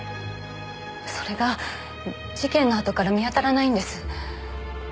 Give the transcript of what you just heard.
それが事件のあとから見当たらないんです。